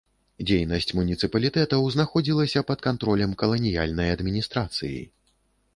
Дзейнасць муніцыпалітэтаў знаходзілася пад кантролем каланіяльнай адміністрацыі.